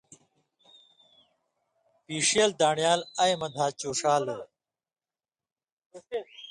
پیݜېل دان٘ڑیال اَیں مہ دھاچُوݜالوئے